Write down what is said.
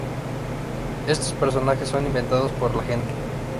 Estos personajes son inventados por la gente.